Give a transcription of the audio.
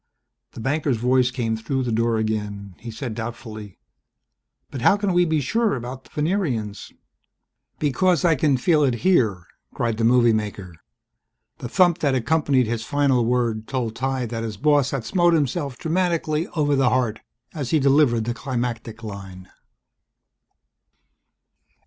The banker's voice came through the door again. He said doubtfully, "But how can we be sure about the Venerians ..." "Because I can feel it here!" cried the movie maker. The thump that accompanied his final word told Ty that his boss had smote himself dramatically over the heart as he delivered the climactic line.